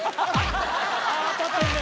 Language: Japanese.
当たってるね！